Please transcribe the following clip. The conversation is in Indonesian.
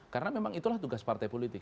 karena memang itulah tugas partai politik